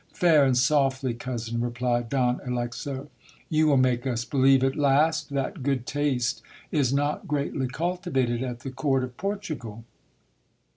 Fair and softly, cousin, replied Don Alexo ; you will make us believe at last that good taste is not greatly cultivated at the court of Portugal.